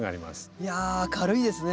いや明るいですね